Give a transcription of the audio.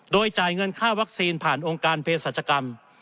โดยจ่ายเงินค่าวัคซีนผ่านองค์การเพศรัชกรรม